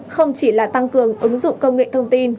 không chỉ là tăng cường ứng dụng công nghệ thông tin